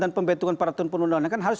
dan pembentukan peraturan perundangan kan harus